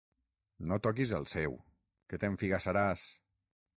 No toquis el seu, que t'enfigassaràs.